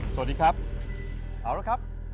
สวัสดีครับเอาละครับ